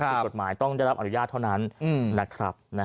ผิดกฎหมายต้องได้รับอนุญาตเท่านั้นนะครับ